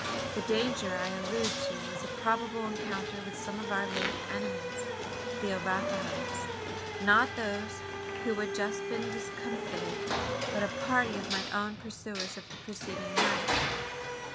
The danger I allude to was a probable encounter with some of our late enemies the Arapahoes. Not those who had just been discomfited; but a party of my own pursuers of the preceding night.